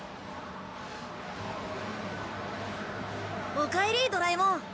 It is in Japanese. おかえりドラえもん。